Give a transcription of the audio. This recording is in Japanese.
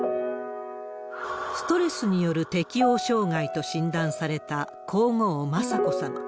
ストレスによる適応障害と診断された皇后雅子さま。